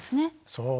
そう。